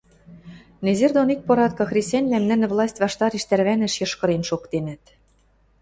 Незер дон икпоратка хресӓньвлӓм нӹнӹ власть ваштареш тӓрвӓнӓш йышкырен шоктенӹт